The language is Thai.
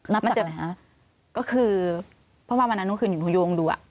นับจากไหนฮะก็คือเพราะว่าวันนั้นทุกคืนอยู่โยงดัว